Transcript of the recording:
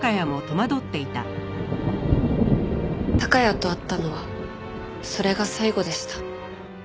孝也と会ったのはそれが最後でした。